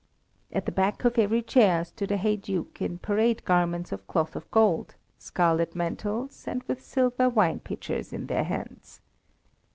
At the back of every chair stood a heyduke in parade garments of cloth of gold, scarlet mantles, and with silver wine pitchers in their hands.